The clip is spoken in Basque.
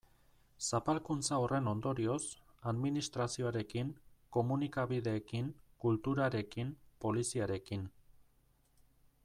Zapalkuntza horren ondorioz, administrazioarekin, komunikabideekin, kulturarekin, poliziarekin...